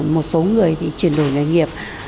một số người thì chuyển đổi nghề nghiệp